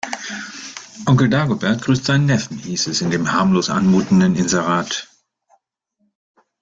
Onkel Dagobert grüßt seinen Neffen, hieß es in dem harmlos anmutenden Inserat.